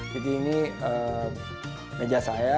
jadi ini meja saya